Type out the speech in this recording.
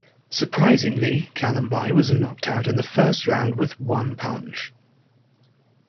Surprisingly, Kalambay was knocked out in the first round with one punch.